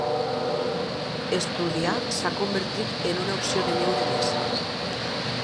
Estudiar s'ha convertit en una opció de lleure més.